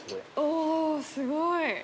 おすごい。